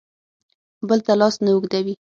بل ته لاس نه اوږدوي.